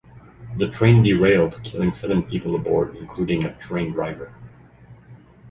The train derailed, killing seven people aboard, including the train driver.